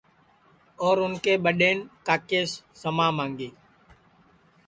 اور اُن کے ٻڈین کاکیس سما مانگی